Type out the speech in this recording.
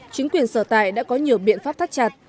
chính quyền sở tại đã có nhiều biện pháp thắt chặt